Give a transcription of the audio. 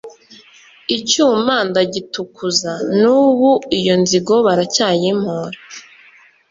Icyuma ndagitukuza n'ubu iyo nzigo baracyayimpora!